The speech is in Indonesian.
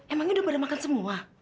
emang ini udah berapa makan semua